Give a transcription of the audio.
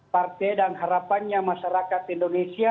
partai dan harapannya masyarakat indonesia